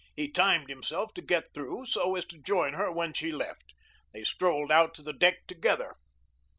He timed himself to get through so as to join her when she left. They strolled out to the deck together.